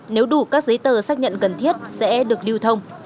nếu đủ các giấy tờ xác nhận cần thiết sẽ được lưu thông